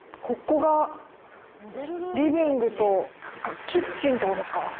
ここがリビングとキッチンってことですか？